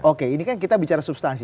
oke ini kan kita bicara substansi